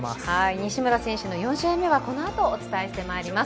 西村選手の４試合目はこのあとお伝えしてまいります。